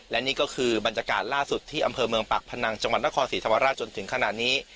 และนี่ก็คือบรรยากาศล่าสุดที่อำเภอเมืองปากพนังจังหวัดนครศรีธรรมราชจนถึงขนาดนี้